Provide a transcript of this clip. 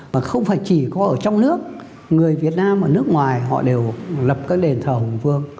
mà không phải chỉ có ở trong nước người việt nam ở nước ngoài họ đều lập cái đền thờ hùng vương